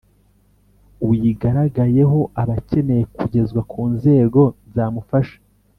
uyigaragayeho aba akeneye kugezwa ku nzego zamufasha